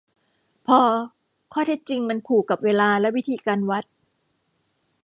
พอข้อเท็จจริงมันผูกกับเวลาและวิธีการวัด